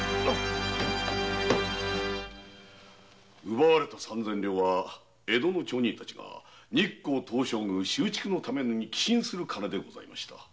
奪われた三千両は江戸の町民たちが日光東照宮修築のために寄進する金でございました。